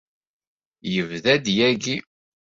Yebda-d yagi.